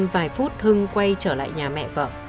vài phút hưng quay trở lại nhà mẹ vợ